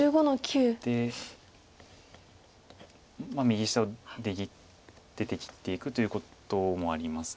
右下出て切っていくということもあります。